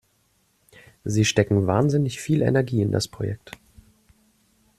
Sie stecken wahnsinnig viel Energie in das Projekt.